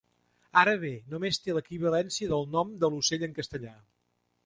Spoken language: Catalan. Ara bé, només té l'equivalència del nom de l'ocell en castellà.